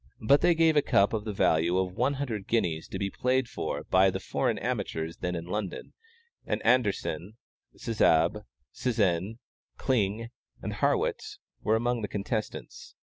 But they gave a cup of the value of one hundred guineas to be played for by the foreign amateurs then in London, and Anderssen, Szabs, Zsen, Kling, and Harrwitz were amongst the contestants.